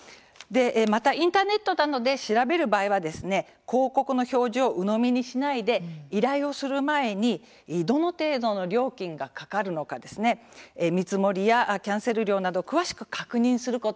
またインターネットなどで調べる場合は広告の表示を、うのみにしないで依頼をする前にどの程度の料金がかかるのか見積もりやキャンセル料などを詳しく確認すること。